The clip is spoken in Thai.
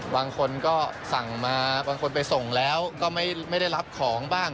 บางคนก็สั่งมาบางคนไปส่งแล้วก็ไม่ได้รับของบ้าง